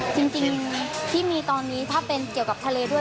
จริงที่มีตอนนี้ถ้าเป็นเกี่ยวกับทะเลด้วย